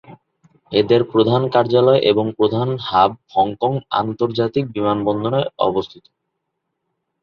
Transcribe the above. এদের প্রধান কার্যালয় এবং প্রধান হাব হংকং আন্তর্জাতিক বিমানবন্দর এ অবস্থিত।